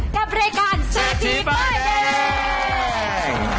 กับรายการเจจีบ้าแน่